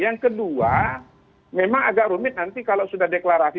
yang kedua memang agak rumit nanti kalau sudah deklarasi